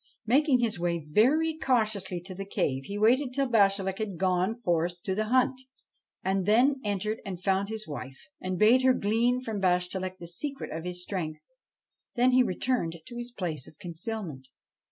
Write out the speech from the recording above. Making his way very cautiously to the cave, he waited till Bashtchelik had gone forth to the hunt, and then entered and found his wife, and bade her glean from Bashtchelik the secret of his strength. Then he returned to his place of concealment.